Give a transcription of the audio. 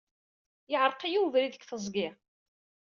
Yeɛreq-iyi webrid deg teẓgi.